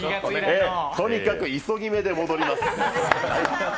とにかく急ぎ目で戻ります。